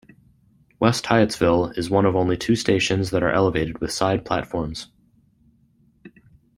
West Hyattsville is one of only two stations that are elevated with side platforms.